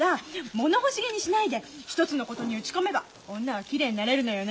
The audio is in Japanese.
物欲しげにしないで一つのことに打ち込めば女はきれいになれるのよね。